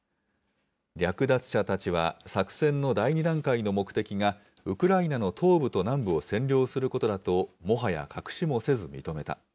略奪者たちは、作戦の第２段階の目的が、ウクライナの東部と南部を占領することだと、もはや隠しもせず認めた。